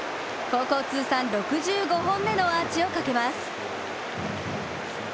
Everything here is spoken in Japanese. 高校通算６５本目のアーチをかけます。